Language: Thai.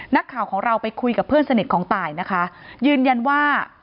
นักข่าวของเราไปคุยกับเพื่อนสนิทของตายนะคะยืนยันว่า